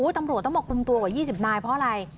ตำรวจต้องบอกกลุ่มตัวกว่า๒๐นายเพราะอะไร